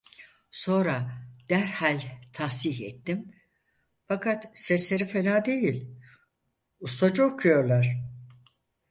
Sonra derhal tashih ettim: "Fakat sesleri fena değil… Ustaca okuyorlar…"